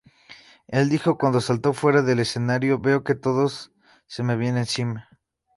El dijo: "cuando salto fuera del escenario, veo que todo se me viene encima".